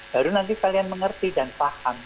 baru nanti kalian mengerti dan paham